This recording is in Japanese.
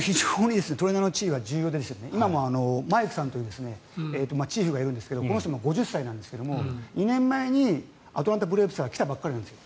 トレーナーの地位は重要で今もマイクさんというチーフがいるんですがこの人、５０歳なんですが２年前にアトランタ・ブレーブスから来たばかりなんです。